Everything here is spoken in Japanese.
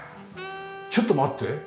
ちょっと待って。